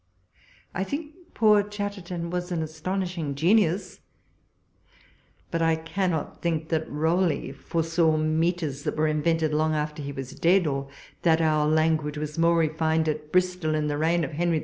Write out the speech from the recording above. I think poor Chatterton was an astonishing genius — but I cannot think that Rowley foresaw metres that were invented long after he was dead, or that our language was more refined at Bristol in the reign of Henry V.